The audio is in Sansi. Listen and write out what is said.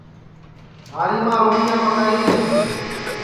مھاری ماں روٹیاں پکائیری ہے